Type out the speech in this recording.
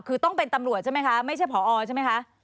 คือต้องเป็นตำรวจใช่ไหมคะไม่ใช่ผอใช่ไหมคะ